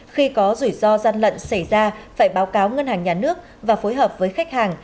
khi có rủi ro gian lận xảy ra phải báo cáo ngân hàng nhà nước và phối hợp với khách hàng